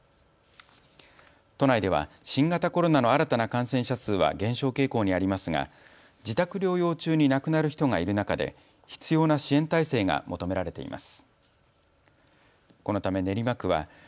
都内では新型コロナの新たな感染者数は減少傾向にありますが自宅療養中に亡くなる人がいる中で必要な支援体制が求められています。